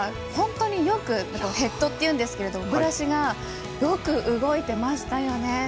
本当によくヘッドっていうんですけどブラシがよく動いていましたよね。